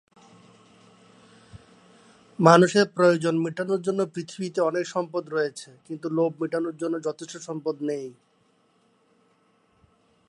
গণপতি বর্তমানে ফিলিপাইনে আত্মগোপনে আছেন।